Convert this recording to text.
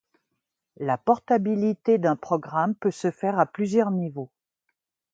La portabilité d'un programme peut se faire à plusieurs niveaux.